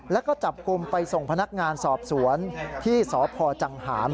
แล้วก็จับกลุ่มไปส่งพนักงานสอบสวนที่สพจังหาร